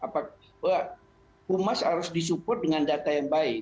bahwa humas harus disupport dengan data yang baik